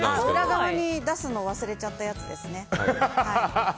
裏側に出すのを忘れちゃったやつですね。